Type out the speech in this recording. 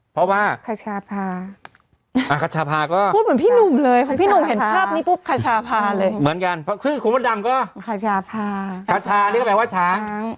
พาทานี่ก็แปลว่าช้าง